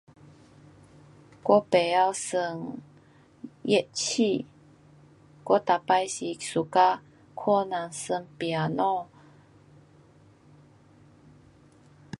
我不晓玩乐器，我每次是 suka 看人玩 piano